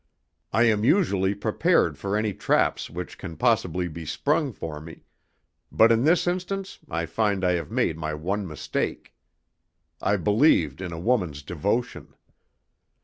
I am usually prepared for any traps which can possibly be sprung for me; but in this instance I find I have made my one mistake. I believed in a woman's devotion.